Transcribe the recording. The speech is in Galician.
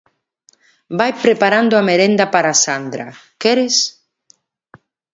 vai preparando a merenda para Sandra, ¿queres?